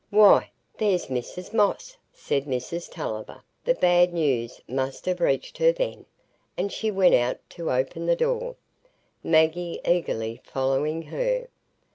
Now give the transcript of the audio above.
"Why, there's Mrs Moss," said Mrs Tulliver. "The bad news must ha' reached her, then"; and she went out to open the door, Maggie eagerly following her.